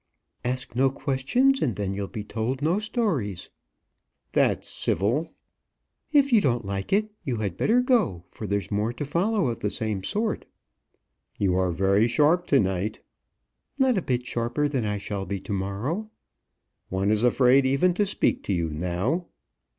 "Ask no questions, and then you'll be told no stories." "That's civil." "If you don't like it, you had better go, for there's more to follow of the same sort." "You are very sharp to night." "Not a bit sharper than I shall be to morrow." "One is afraid even to speak to you now."